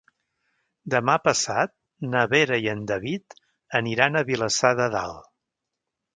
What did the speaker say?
Demà passat na Vera i en David aniran a Vilassar de Dalt.